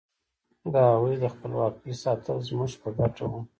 د هغوی د خپلواکۍ ساتل زموږ په ګټه وو.